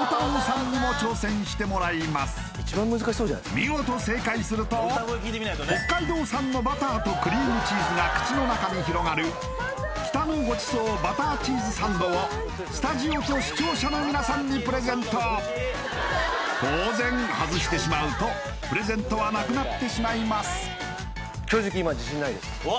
見事正解すると北海道産のバターとクリームチーズが口の中に広がる北のごちそうバターチーズサンドをスタジオと視聴者の皆さんにプレゼント当然外してしまうとプレゼントはなくなってしまいますおっ！